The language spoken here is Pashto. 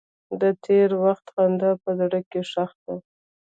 د تېر وخت خندا په زړګي کې ښخ ده.